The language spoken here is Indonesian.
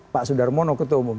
pak sudarmono ketua umum